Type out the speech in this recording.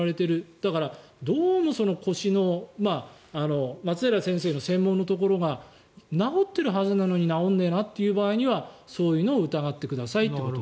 だから、どうも腰の松平先生の専門のところが治ってるはずなのに治らないなという場合にはそういうのを疑ってくださいと。